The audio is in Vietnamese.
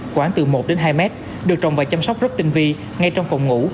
khoảng từ một đến hai mét được trồng và chăm sóc rất tinh vi ngay trong phòng ngủ